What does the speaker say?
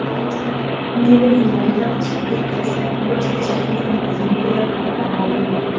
Meli zinaweza kuchangia kiasi kikubwa cha uchafuzi wa mazingira kwa baharini